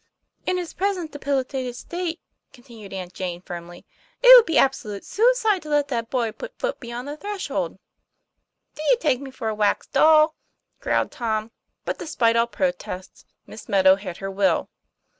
" In his present debilitated state," continued Aunt Jane firmly, * it would be absolute suicide to let that boy put his foot beyond the threshold." ' Do you take me for a wax doll ?" growled Tom. But, despite all protests, Miss Meadow had her will.